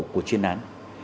của chuyên án